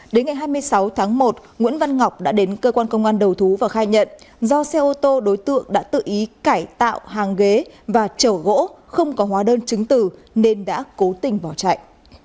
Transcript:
đến ngày hai mươi sáu tháng một nguyễn văn ngọc đã đến cơ quan công an đầu thú và khai nhận do xe ô tô đối tượng đã tự ý cải tạo hàng ghế và trở gỗ không có hóa đơn chứng từ nên đã cố tình bỏ chạy